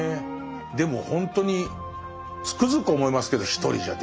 でもほんとにつくづく思いますけど一人じゃできないですもんね